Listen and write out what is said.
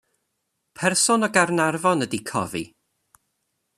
Person o Gaernarfon ydy cofi.